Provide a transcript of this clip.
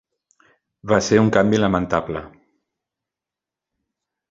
Va ser un canvi lamentable.